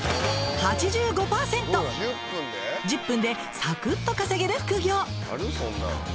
１０分でさくっと稼げる副業。